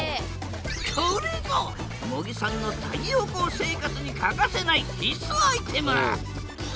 これぞ茂木さんの太陽光生活に欠かせない必須アイテム。